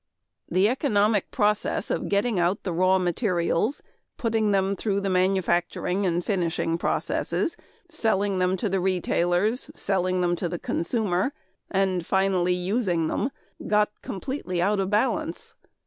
"... The economic process of getting out the raw materials, putting them through the manufacturing and finishing processes, selling them to the retailers, selling them to the consumer, and finally using them, got completely out of balance.